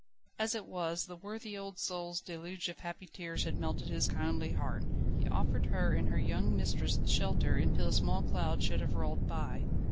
As it was, the worthy old soul's deluge of happy tears had melted his kindly heart. He offered her and her young mistress shelter, until the small cloud should have rolled by.